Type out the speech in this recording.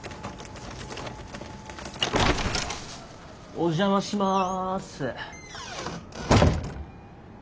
お邪魔します。